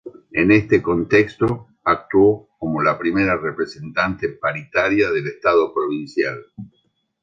En este contexto, actuó como la primera representante paritaria del Estado provincial.